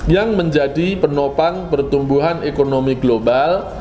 yang menjadi penopang pertumbuhan ekonomi global